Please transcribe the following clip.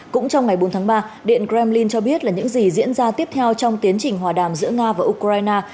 cũng trong ngày bốn tháng ba điện kremlin cho biết là những gì diễn ra tiếp theo trong tiến trình hòa đàm giữa nga và ukraine